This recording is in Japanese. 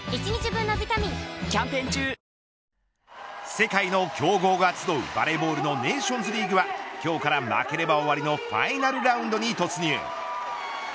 世界の強豪が集うバレーボールのネーションズリーグは今日から、負ければ終わりのファイナルラウンドに突入。